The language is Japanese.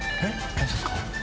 検察官？